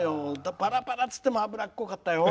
パラパラっていっても油っこかったよ。